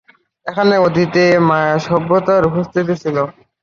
এখানে অতীতে মায়া সভ্যতার উপস্থিতি ছিল।